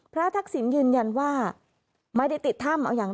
พระทักษิณยืนยันว่า